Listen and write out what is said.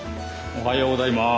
おはようございます。